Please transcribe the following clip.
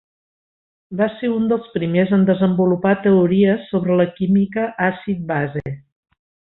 Va ser un dels primers en desenvolupar teories sobre la química àcid-base.